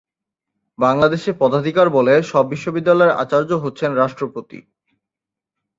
বাংলাদেশে পদাধিকার বলে সব বিশ্ববিদ্যালয়ের আচার্য হচ্ছেন রাষ্ট্রপতি।